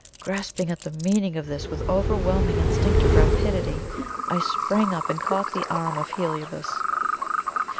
Grasping at the meaning of this, with overwhelming instinctive rapidity, I sprang up and caught the arm of Heliobas.